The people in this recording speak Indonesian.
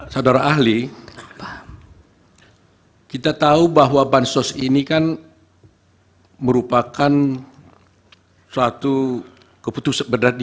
saudara ahli kita tahu bahwa bansos ini kan merupakan suatu keputusan berat di